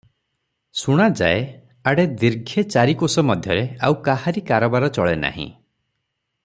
ଶୁଣାଯାଏ, ଆଡ଼େ ଦୀର୍ଘେ ଚାରି କୋଶ ମଧ୍ୟରେ ଆଉ କାହାରି କାରବାର ଚଳେନାହିଁ ।